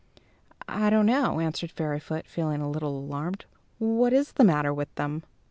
"I don't know," answered Fairyfoot, feeling a little alarmed. "What is the matter with them?"